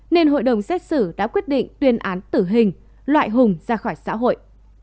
nên hội đồng xét xử đã quyết định tuyên án tử hình loại hùng ra khỏi xã hội